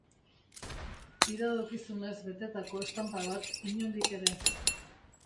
Iradokizunez betetako estanpa bat, inondik ere.